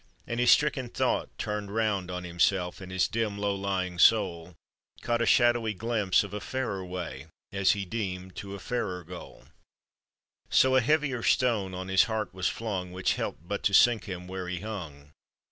And bis stricken thought turned round on himself, And his dim low lying soul Caught a shadowy. glimpse of a fairer way, As he deemed, to a fairer goal ; So a heavier stone on his heart was flung, Which helped but to sink him where he hung.